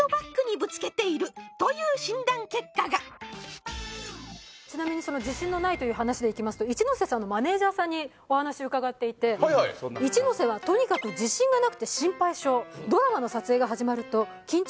結果がちなみにその自信のないという話でいきますと一ノ瀬さんのマネージャーさんにお話を伺っていて一ノ瀬はとにかくへえそうっすな